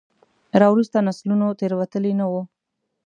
راوروسته نسلونو تېروتلي نه وو.